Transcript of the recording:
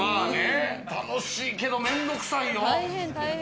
楽しいけど面倒くさいよ。